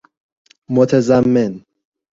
متضمن